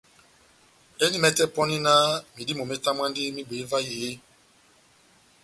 Endi mɛtɛ pɔni náh medímo metamwandini mehibweye vahe eeeh ?